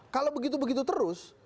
kalau begitu begitu terus